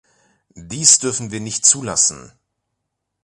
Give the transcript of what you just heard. Dies dürfen wir nicht zulassen.